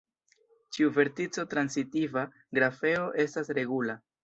Ĉiu vertico-transitiva grafeo estas regula.